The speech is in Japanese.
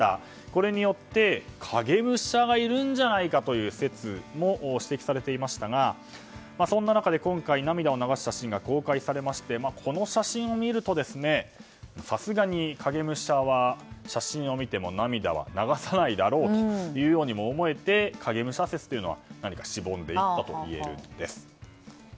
これによって、影武者がいるんじゃないかという説も指摘されていましたがそんな中、今回涙を流したシーンが公開されましてこの写真を見るとさすがに影武者は写真を見ても涙は流さないだろうと思えて影武者説はしぼんでいったと言えるんです。